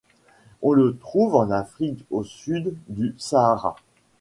En le trouve en Afrique au sud du Sahara.